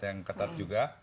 yang ketat juga